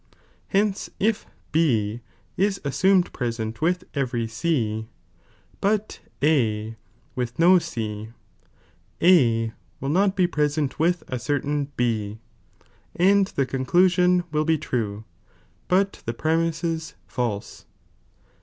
Hence, if B ia asanmed present with every C, but A with no C, A will not be present with a certain B, and the conclusion will be true, but the premisea faLte.'!'